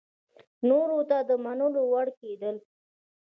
نورو ته د منلو وړ کېدل